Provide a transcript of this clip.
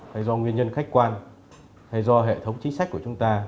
hay do nguyên nhân khách quan hay do hệ thống chính sách của chúng ta